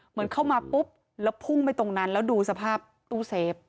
เหมือนเข้ามาปุ๊บแล้วพุ่งไปตรงนั้นแล้วดูสภาพตู้เซฟ